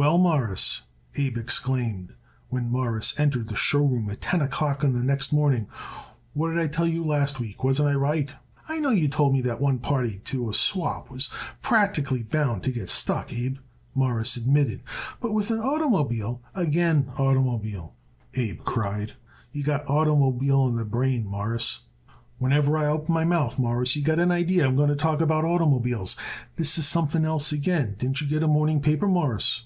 "Well, Mawruss," Abe exclaimed when Morris entered the show room at ten o'clock the next morning. "What did I told you last week! Wasn't I right?" "I know you told me that one party to a swap was practically bound to get stuck, Abe," Morris admitted, "but with an oitermobile " "Again oitermobile!" Abe cried. "You got oitermobile on the brain, Mawruss. Whenever I open my mouth, Mawruss, you got an idee I'm going to talk about oitermobiles. This is something else again. Didn't you get a morning paper, Mawruss?"